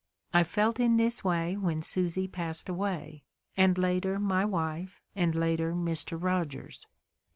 I felt in this way when Susy passed away ; and later my wife, and later Mr. Kogers.